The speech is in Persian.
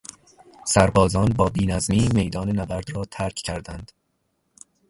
سربازان با بینظمی میدان نبرد را ترک کردند.